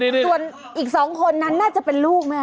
ส่วนอีก๒คนนั้นน่าจะเป็นลูกไหมค